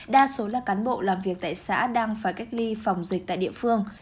đa số là cán bộ làm việc tại xã đang phải cách ly phòng dịch tại địa phương